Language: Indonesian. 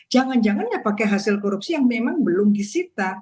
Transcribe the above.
jangan jangan ya pakai hasil korupsi yang memang belum disita